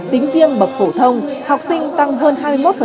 tính riêng bậc phổ thông học sinh tăng hơn hai mươi một